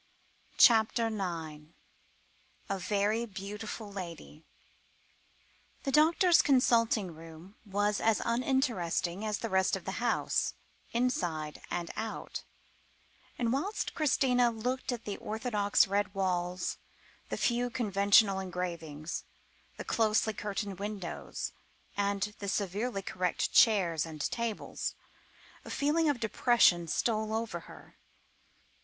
CHAPTER IX. "A VERY BEAUTIFUL LADY." The doctor's consulting room was as uninteresting as the rest of the house, inside and out; and whilst Christina looked at the orthodox red walls, the few conventional engravings, the closely curtained windows, and the severely correct chairs and tables, a feeling of depression stole over her.